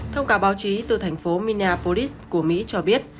thông cáo báo chí từ thành phố minaporis của mỹ cho biết